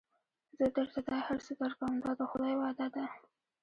زه درته دا هر څه درکوم دا د خدای وعده ده.